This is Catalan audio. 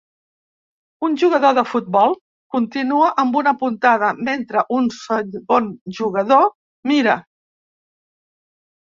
Un jugador de futbol continua amb una puntada mentre un segon jugador mira.